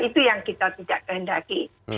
itu yang kita tidak kehendaki